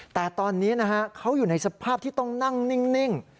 แต่ตอนนี้นะฮะเขาอยู่ในสภาพที่ต้องนั่งนิ่ง